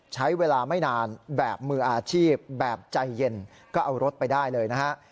ใช้เวลาไม่นานแบบมืออาชีพแบบใจเย็นก็เอารถไปได้เลยนะฮะ